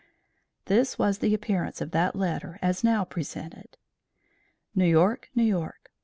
This was the appearance of that letter as now presented: New York, N.